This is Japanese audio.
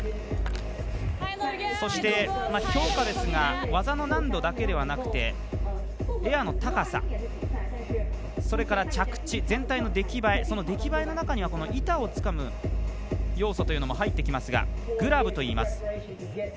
そして、評価ですが技の難度だけでなくてエアの高さ、それから着地全体の出来栄えその出来栄えの中には板をつかむ要素というのも入ってきますがグラブといいます。